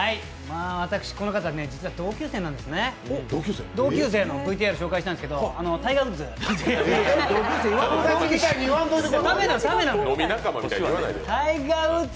私この方、実は同級生なんですね、同級生のＶＴＲ紹介するんですけど、タイガー・ウッズ。